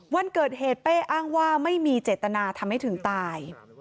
วันเกิดเหตุเป้อ้างว่าไม่มีเจตนาทำให้ถึงตาย